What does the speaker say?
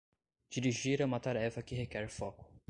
Dirigir é uma tarefa que requer foco.